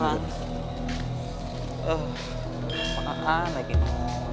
kok kena kena gitu